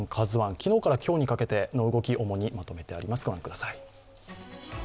昨日から今日にかけての動きを主にまとめてあります。